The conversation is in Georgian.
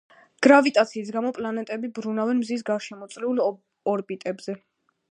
გრავიტაციის გამო პლანეტები ბრუნავენ მზის გარშემო წრიულ ორბიტებზე.